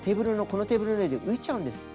テーブルの上で浮いちゃうんですよ。